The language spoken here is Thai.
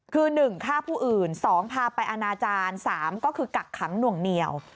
คือ๑ฆ่าผู้อื่น๒พาไปอนาจารย์๓ก็คือกักขังหน่วงเหนียว